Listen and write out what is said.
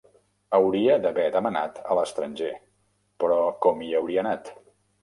Hauria d'haver demanat a l'estranger, però com hi hauria anat?